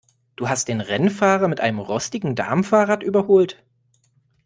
Du hast den Rennfahrer mit einem rostigen Damenfahrrad überholt?